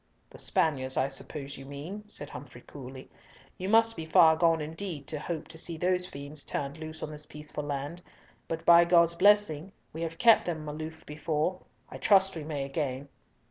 "The Spaniards, I suppose you mean," said Humfrey coolly. "You must be far gone indeed to hope to see those fiends turned loose on this peaceful land, but by God's blessing we have kept them aloof before, I trust we may again."